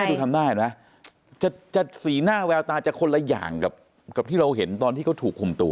ดูทำหน้าเห็นไหมสีหน้าแววตาจะคนละอย่างกับที่เราเห็นตอนที่เขาถูกคุมตัว